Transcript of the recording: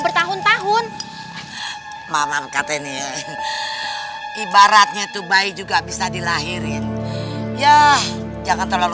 bertahun tahun mama katanya ibaratnya tuh bayi juga bisa dilahirin ya jangan